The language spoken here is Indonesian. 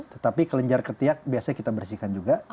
tetapi kelenjar ketiak biasanya kita bersihkan juga